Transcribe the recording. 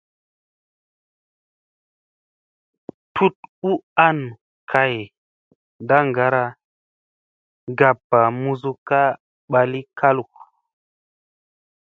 Tut u an kay ndaŋgara ngappa muzukka ɓali kalu.